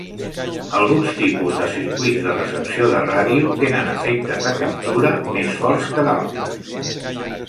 Alguns tipus de circuits de recepció de ràdio tenen efectes de captura més forts que d'altres.